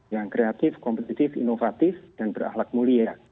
yang kreatif kompetitif inovatif dan berahlak mulia